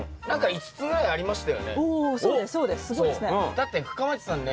だって深町さんね